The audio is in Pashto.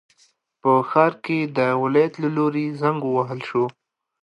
په ښار کې د ولایت له لوري زنګ ووهل شو.